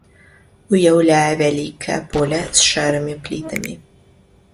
Уяўляе вялікае поле з шэрымі плітамі.